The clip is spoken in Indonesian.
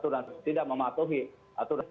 dan tidak mematuhi aturan aturan